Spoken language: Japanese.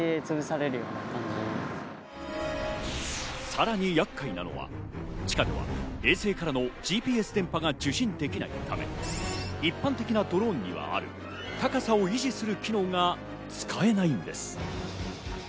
さらに厄介なのは、地下では衛星からのＧＰＳ電波が受信できないため、一般的なドローンにはある高さを維持する機能が使えないのです。